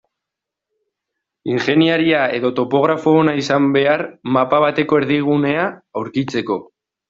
Ingeniaria edo topografo ona izan behar mapa bateko erdigunea aurkitzeko.